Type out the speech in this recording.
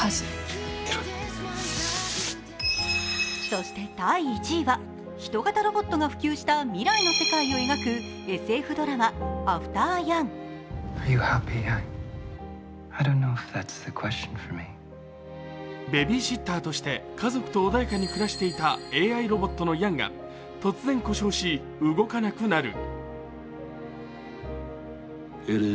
そして第１位は、人型ロボットが普及した未来の世界を描くＳＦドラマ、「アフター・ヤン」ベビーシッターとして家族と穏やかに暮らしていたＡＩロボットのヤンが突然、故障し動かなくなる。